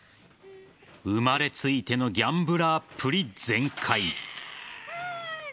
生まれついてのギャンブラーっぷり全開。